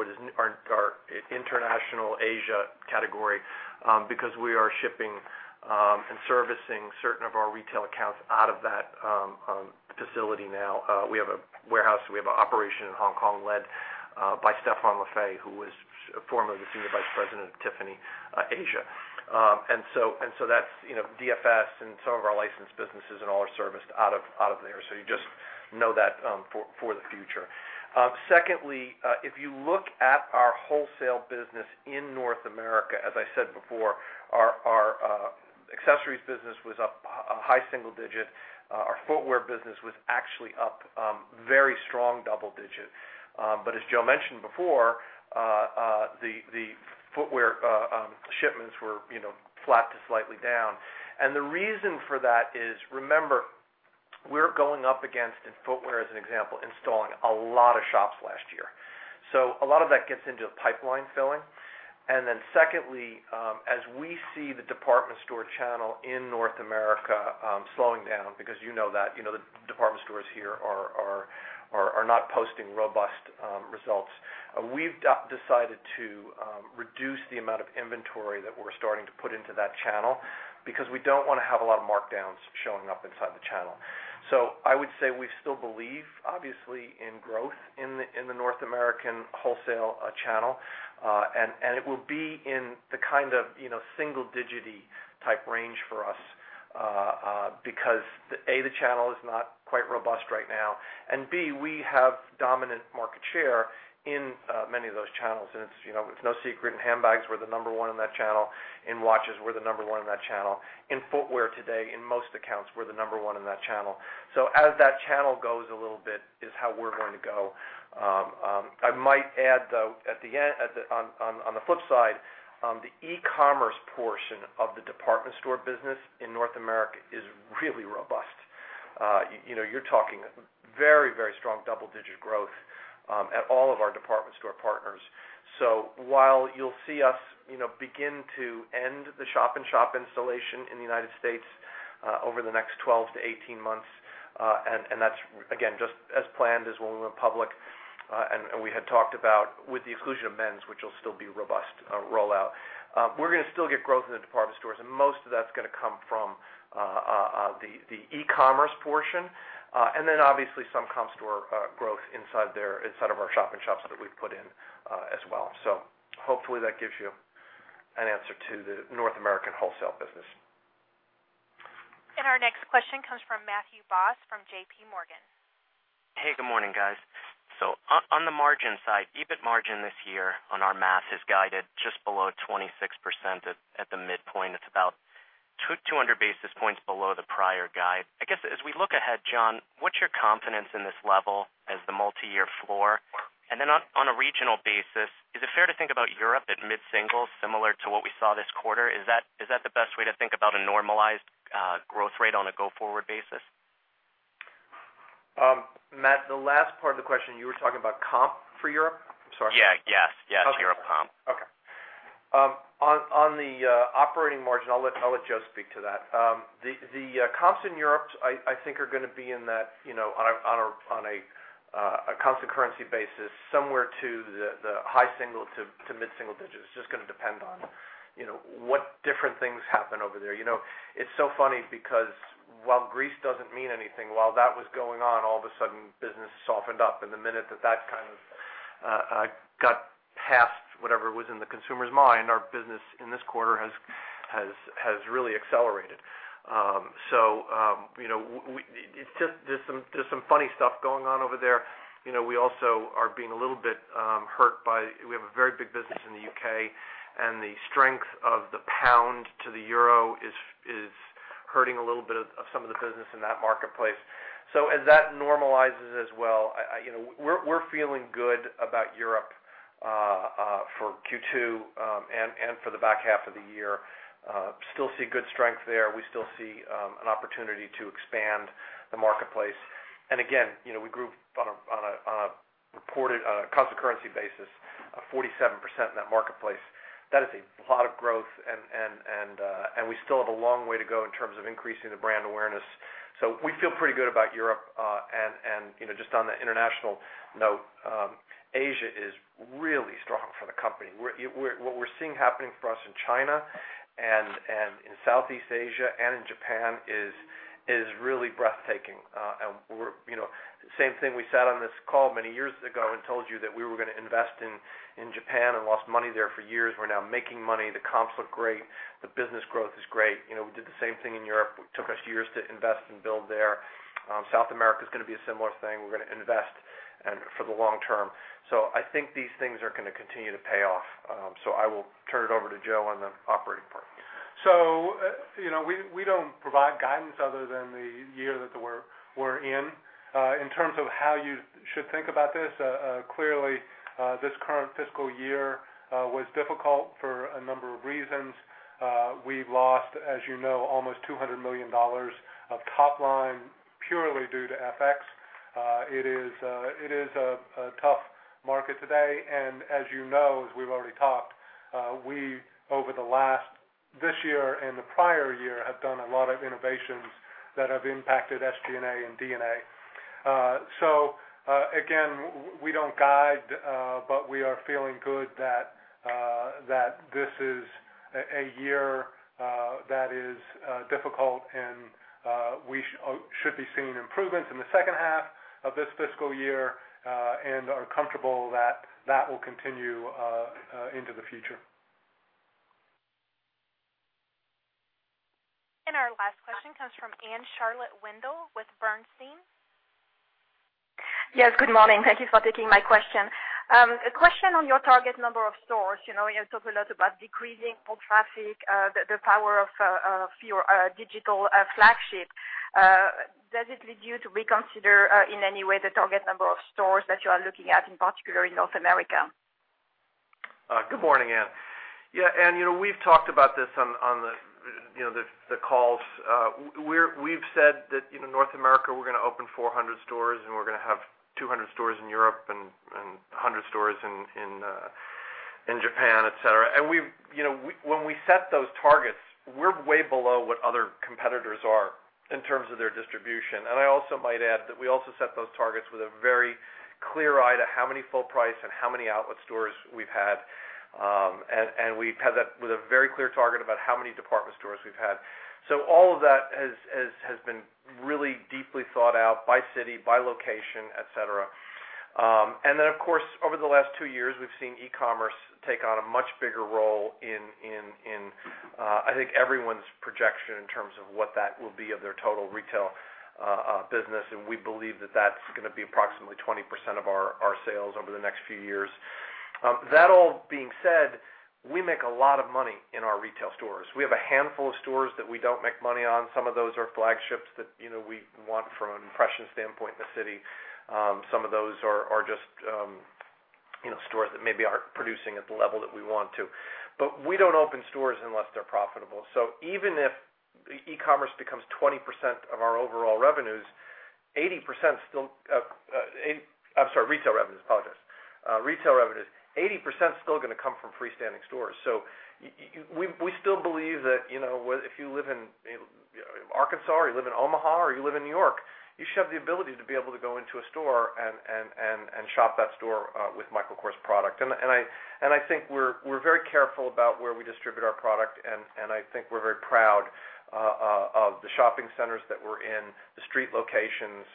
International Asia Category, because we are shipping and servicing certain of our retail accounts out of that facility now. We have a warehouse, we have an operation in Hong Kong led by Stephane Lafay, who was formerly the Senior Vice President of Tiffany Asia. That's DFS and some of our licensed businesses and all are serviced out of there. You just know that for the future. Secondly, if you look at our wholesale business in North America, as I said before, our accessories business was up a high single-digit. Our footwear business was actually up very strong double-digit. As Joe mentioned before, the footwear shipments were flat to slightly down. The reason for that is, remember, we're going up against, in footwear as an example, installing a lot of shops last year. A lot of that gets into pipeline filling. Secondly, as we see the department store channel in North America slowing down, because you know that. The department stores here are not posting robust results. We've decided to reduce the amount of inventory that we're starting to put into that channel because we don't want to have a lot of markdowns showing up inside the channel. I would say we still believe, obviously, in growth in the North American wholesale channel. It will be in the kind of single-digit type range for us, because, A, the channel is not quite robust right now, and B, we have dominant market share in many of those channels. It's no secret in handbags we're the number 1 in that channel, in watches we're the number 1 in that channel. In footwear today, in most accounts, we're the number 1 in that channel. As that channel goes a little bit is how we're going to go. I might add, though, on the flip side, the e-commerce portion of the department store business in North America is really robust. You're talking very strong double-digit growth at all of our department store partners. So while you'll see us begin to end the shop-in-shop installation in the U.S. over the next 12-18 months, that's, again, just as planned as when we went public, we had talked about with the exclusion of men's, which will still be robust rollout. We're going to still get growth in the department stores, and most of that's going to come from the e-commerce portion. Obviously some comp store growth inside of our shop-in-shops that we've put in as well. Hopefully that gives you an answer to the North American wholesale business. Our next question comes from Matthew Boss from JPMorgan. Hey, good morning, guys. On the margin side, EBIT margin this year on our math is guided just below 26% at the midpoint. It's about 200 basis points below the prior guide. I guess, as we look ahead, John, what's your confidence in this level as the multi-year floor? Then on a regional basis, is it fair to think about Europe at mid-single, similar to what we saw this quarter? Is that the best way to think about a normalized growth rate on a go-forward basis? Matt, the last part of the question, you were talking about comp for Europe? I'm sorry. Yeah. Europe comp. Okay. On the operating margin, I'll let Joe speak to that. The comps in Europe, I think are going to be on a constant currency basis, somewhere to the high single to mid-single digits. It's just going to depend on what different things happen over there. It's so funny because while Greece doesn't mean anything, while that was going on, all of a sudden, business softened up. The minute that kind of got past whatever was in the consumer's mind, our business in this quarter has really accelerated. There's some funny stuff going on over there. We also are being a little bit hurt by, we have a very big business in the U.K., and the strength of the pound to the euro is hurting a little bit of some of the business in that marketplace. As that normalizes as well, we're feeling good about Europe for Q2, and for the back half of the year. Still see good strength there. We still see an opportunity to expand the marketplace. Again, we grew on a constant currency basis of 47% in that marketplace. That is a lot of growth and we still have a long way to go in terms of increasing the brand awareness. We feel pretty good about Europe. Just on the international note, Asia is really strong for the company. What we're seeing happening for us in China and in Southeast Asia and in Japan is really breathtaking. Same thing we said on this call many years ago and told you that we were going to invest in Japan and lost money there for years. We're now making money. The comps look great. The business growth is great. We did the same thing in Europe. It took us years to invest and build there. South America is going to be a similar thing. We're going to invest for the long term. I think these things are going to continue to pay off. I will turn it over to Joe on the operating part. We don't provide guidance other than the year that we're in. In terms of how you should think about this, clearly, this current fiscal year was difficult for a number of reasons. We've lost, as you know, almost $200 million of top line purely due to FX. It is a tough market today, and as you know, as we've already talked, we, this year and the prior year, have done a lot of innovations that have impacted SG&A and D&A. Again, we don't guide, but we are feeling good that this is a year that is difficult and we should be seeing improvements in the second half of this fiscal year, and are comfortable that that will continue into the future. Our last question comes from Anne-Charlotte Windal with Bernstein. Yes, good morning. Thank you for taking my question. A question on your target number of stores. You talk a lot about decreasing foot traffic, the power of your digital flagship. Does it lead you to reconsider in any way the target number of stores that you are looking at, in particular in North America? Good morning, Anne. Yeah, Anne, we've talked about this on the calls. We've said that North America, we're going to open 400 stores, we're going to have 200 stores in Europe and 100 stores in Japan, et cetera. When we set those targets, we're way below what other competitors are in terms of their distribution. I also might add that we also set those targets with a very clear eye to how many full price and how many outlet stores we've had. We've had that with a very clear target about how many department stores we've had. All of that has been really deeply thought out by city, by location, et cetera. Of course, over the last two years, we've seen e-commerce take on a much bigger role in, I think, everyone's projection in terms of what that will be of their total retail business, and we believe that that's going to be approximately 20% of our sales over the next few years. That all being said, we make a lot of money in our retail stores. We have a handful of stores that we don't make money on. Some of those are flagships that we want from an impression standpoint in the city. Some of those are just stores that maybe aren't producing at the level that we want to. We don't open stores unless they're profitable. Even if e-commerce becomes 20% of our overall revenues, I'm sorry, retail revenues. 80% is still going to come from freestanding stores. We still believe that if you live in Arkansas or you live in Omaha or you live in New York, you should have the ability to be able to go into a store and shop that store with Michael Kors product. I think we're very careful about where we distribute our product, and I think we're very proud of the shopping centers that we're in, the street locations,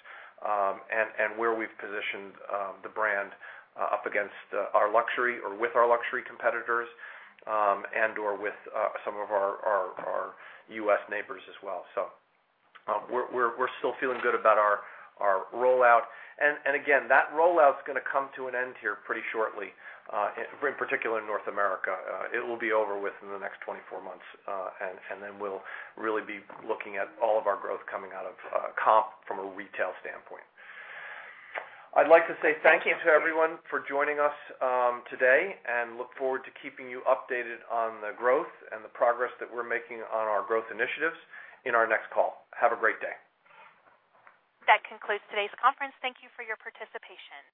and where we've positioned the brand up against our luxury or with our luxury competitors, and/or with some of our U.S. neighbors as well. We're still feeling good about our rollout. Again, that rollout's going to come to an end here pretty shortly, in particular in North America. It will be over with in the next 24 months. Then we'll really be looking at all of our growth coming out of comp from a retail standpoint. I'd like to say thank you to everyone for joining us today and look forward to keeping you updated on the growth and the progress that we're making on our growth initiatives in our next call. Have a great day. That concludes today's conference. Thank you for your participation.